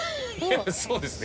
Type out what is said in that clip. そうですね。